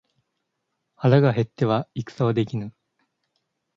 腹が減っては戦はできぬ。